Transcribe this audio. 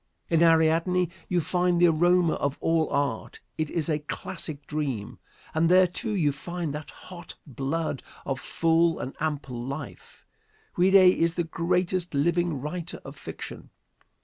In "Ariadne" you find the aroma of all art. It is a classic dream. And there, too, you find the hot blood of full and ample life. Ouida is the greatest living writer of fiction.